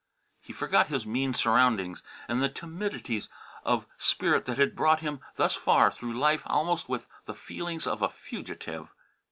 He forgot his mean surroundings and the timidities of spirit that had brought him thus far through life almost with the feelings of a fugitive.